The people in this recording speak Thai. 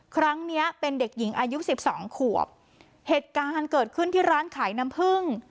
ครั้งเนี้ยเป็นเด็กหญิงอายุสิบสองขวบเหตุการณ์เกิดขึ้นที่ร้านขายน้ำผึ้ง